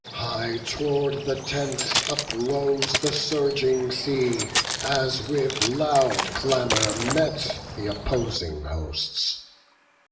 High tow'rd the tents uprose the surging sea, As with loud clamour met th' opposing hosts.